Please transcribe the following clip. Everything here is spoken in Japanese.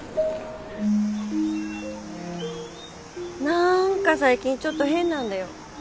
何か最近ちょっと変なんだよ。